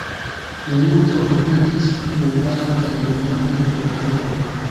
Li multe okupiĝis pri hungara kaj germana literaturoj.